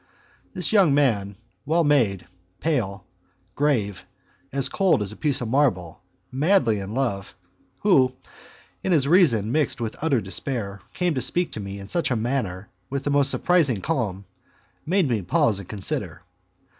This young man, well made, pale, grave, as cold as a piece of marble, madly in love, who, in his reason mixed with utter despair, came to speak to me in such a manner with the most surprising calm, made me pause and consider.